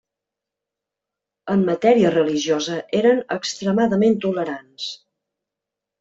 En matèria religiosa eren extremadament tolerants.